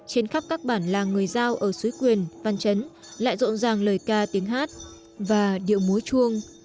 trên khắp các bản làng người giao ở suối quyền văn chấn lại rộn ràng lời ca tiếng hát và điệu múa chuông